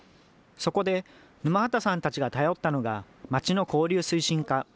そこで沼畑さんたちが頼ったのが、町の交流推進課。